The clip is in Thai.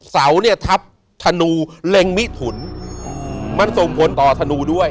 เสาเนี่ยทับธนูเล็งมิถุนมันส่งผลต่อธนูด้วย